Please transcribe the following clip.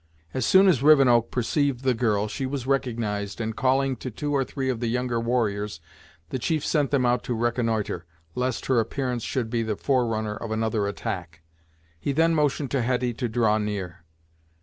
As soon as Rivenoak perceived the girl, she was recognised, and calling to two or three of the younger warriors, the chief sent them out to reconnoitre, lest her appearance should be the forerunner of another attack. He then motioned to Hetty to draw near.